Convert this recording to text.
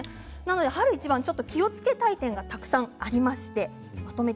春一番は、ちょっと気をつけたい点がたくさんあります。